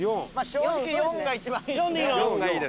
正直「４」が一番いい。